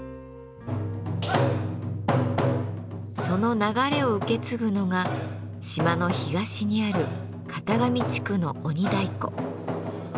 その流れを受け継ぐのが島の東にある潟上地区の鬼太鼓。